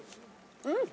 うん！